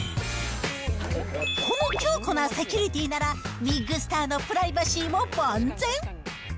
この強固なセキュリティーならビッグスターのプライバシーも万全。